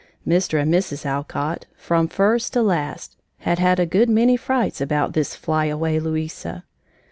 Mr. and Mrs. Alcott, from first to last, had had a good many frights about this flyaway Louisa.